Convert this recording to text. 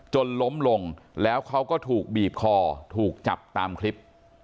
จนล้มลงแล้วเขาก็ถูกบีบคอถูกจับตามคลิป